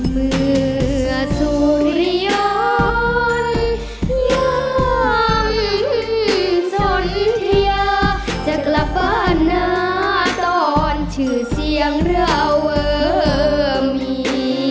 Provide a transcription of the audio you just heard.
เมื่อสุริยนต์ย้ำสนเทียจะกลับบ้านหน้าตอนชื่อเสียงเรื้อเวอร์มี